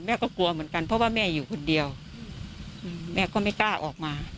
ก็กลัวเหมือนกันเพราะว่าแม่อยู่คนเดียวแม่ก็ไม่กล้าออกมา